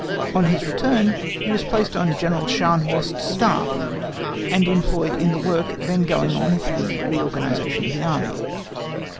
On his return, he was placed on General Scharnhorst's Staff, and employed in the work then going on for the reorganisation of the Army.